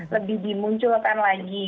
lebih dimunculkan lagi